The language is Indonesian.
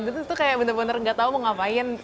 terus itu benar benar nggak tahu mau ngapain